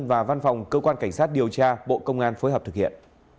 và văn phòng cơ quan cảnh sát điều tra bộ công an phối hợp thực hiện